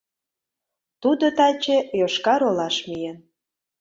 Тудо таче Йошкар-Олаш миен.